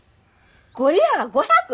ゴリラが５００？